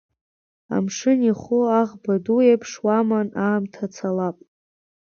Амшын иху аӷба ду еиԥш уаман аамҭа цалап.